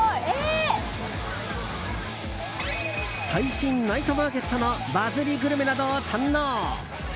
最新ナイトマーケットのバズりグルメなどを堪能。